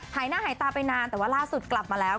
หายหน้าหายตาไปนานแต่ว่าล่าสุดกลับมาแล้ว